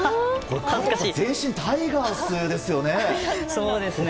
全身タイガースですね。